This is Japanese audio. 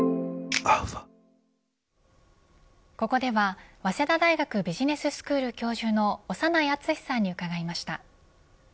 ここでは早稲田大学ビジネススクール教授の長内厚さんに伺いました。